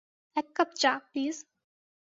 এক কাপ চা, প্লিজ।